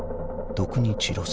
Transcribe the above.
独日路線。